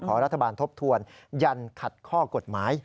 รัฐบาลทบทวนยันขัดข้อกฎหมาย